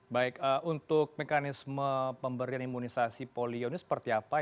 baik untuk mekanisme pemberian imunisasi polio ini seperti apa